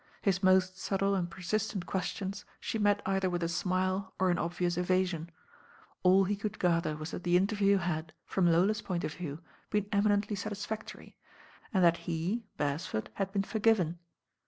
Hii most subtle and persistent questions she met either with a smile or an obvious evasion. All he could gather was that the interview had, from Lola's point of view, been eminently satisfactory, and that L Beresford, had been forgiven.